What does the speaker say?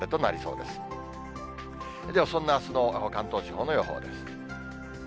ではそんなあすの関東地方の予報です。